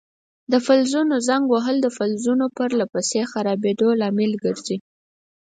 د فلزونو زنګ وهل د فلزونو پر له پسې خرابیدو لامل ګرځي.